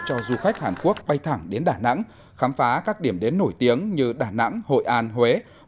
cho du khách hàn quốc bay thẳng đến đà nẵng khám phá các điểm đến nổi tiếng như đà nẵng hội an huế